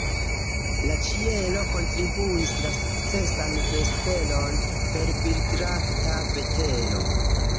La ĉielo kontribuis la sukcesan vesperon per birdlakta vetero.